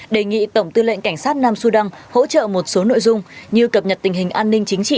đề nghị tổng tư lệnh cảnh sát nam sudan hỗ trợ một số nội dung như cập nhật tình hình an ninh chính trị